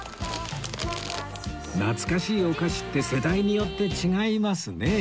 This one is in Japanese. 懐かしいお菓子って世代によって違いますね